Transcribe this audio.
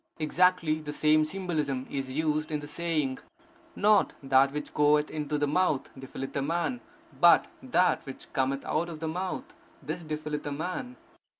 Exactly the same symbolism is used in the saying: Not that which goeth into the mouth defileth a man; but that which cometh out of the mouth, this defileth a man….